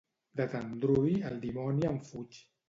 De Tendrui, el dimoni en fuig.